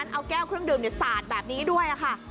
เอาแก้วเครื่องดื่มสาดแบบนี้ด้วยค่ะ